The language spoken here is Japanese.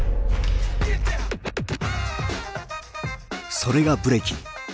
それがブレイキン。